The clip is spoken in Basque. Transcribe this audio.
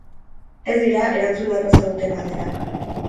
Ez dira erantzun erraza duten galderak.